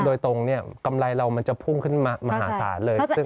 โดยตรงกำไรเรามันจะพุ่งขึ้นมามหาศาลเลย